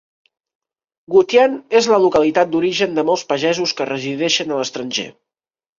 Gutian és la localitat d'origen de molts pagesos que resideixen a l'estranger.